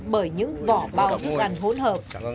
bởi những vỏ bào thức ăn hỗn hợp